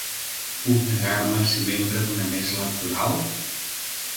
Puc negar-me a ser membre d’una mesa electoral?